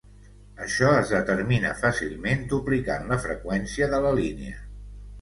Això es determina fàcilment duplicant la freqüència de la línia.